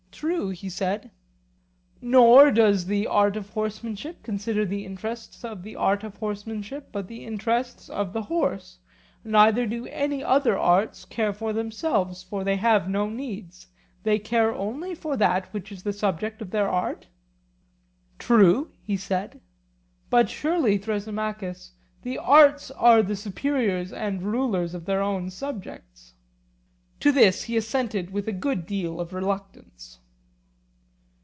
True, he said. Nor does the art of horsemanship consider the interests of the art of horsemanship, but the interests of the horse; neither do any other arts care for themselves, for they have no needs; they care only for that which is the subject of their art? True, he said. But surely, Thrasymachus, the arts are the superiors and rulers of their own subjects? To this he assented with a good deal of reluctance.